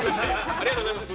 ありがとうございます。